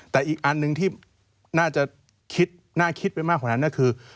แต่อีกอันหนึ่งที่น่าจะคิดน่าคิดไปมากกว่านั้นก็คือ